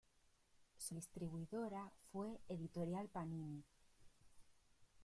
Su distribuidora fue Editorial Panini.